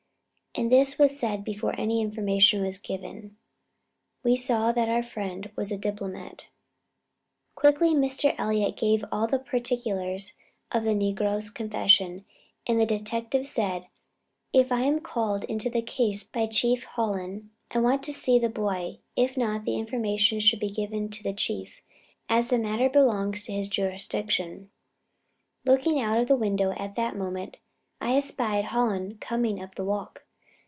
And this was said before any information was given. We saw that our friend was a diplomat. Quickly Mr. Elliott gave all the particulars of the negro's confession, and the detective said: "If I am called into the case by Chief Hallen, I shall want to see the boy; if not, the information should be given to the Chief, as the matter belongs to his jurisdiction." Looking out of the window at that moment, I espied Hallen coming up the walk.